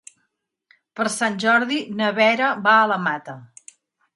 Per Sant Jordi na Vera va a la Mata.